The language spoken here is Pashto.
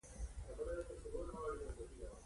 د مختارالدوله په مشرۍ د شجاع الملک لښکر یې مخه ونیوله.